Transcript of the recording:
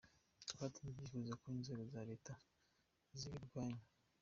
Twatanze ibyifuzo ko inzego za Leta zibirwanya.